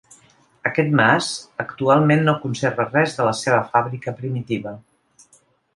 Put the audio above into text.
Aquest mas actualment no conserva res de la seva fàbrica primitiva.